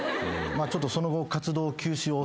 ちょっとその後活動休止をすることに。